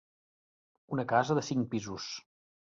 Una casa de cinc pisos.